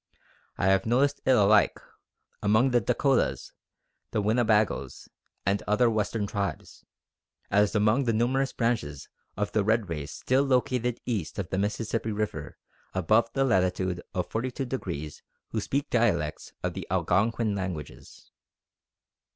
I have noticed it alike, among the Dacotahs, the Winnebagoes, and other Western tribes, as among the numerous branches of the Red Race still located east of the Mississippi River above the latitude of 42 degrees who speak dialects of the Algonquin languages."